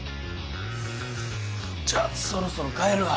じゃそろそろ帰るわ。